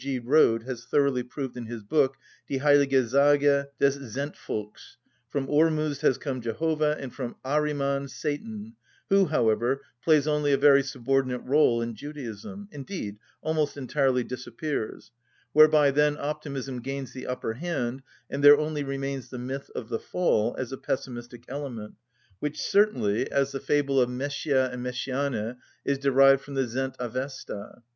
G. Rhode has thoroughly proved in his book, "Die heilige Sage des Zendvolks;" from Ormuzd has come Jehovah, and from Ahriman, Satan, who, however, plays only a very subordinate rôle in Judaism, indeed almost entirely disappears, whereby then optimism gains the upper hand, and there only remains the myth of the fall as a pessimistic element, which certainly (as the fable of Meschia and Meschiane) is derived from the Zend‐Avesta.